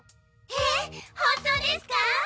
えっ本当ですか？